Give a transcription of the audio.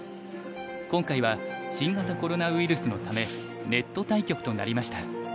今回は新型コロナウイルスのためネット対局となりました。